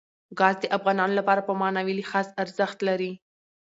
ګاز د افغانانو لپاره په معنوي لحاظ ارزښت لري.